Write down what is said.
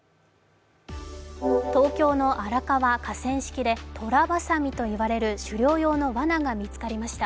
東京の荒川河川敷でトラバサミと呼ばれる狩猟用のわなが見つかりました。